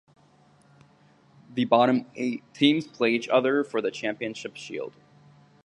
The bottom eight teams play each other for the Championship Shield.